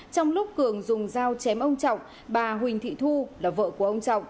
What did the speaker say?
trong lúc cường dùng dao chém ông trọng bà huỳnh thị thu là vợ của ông trọng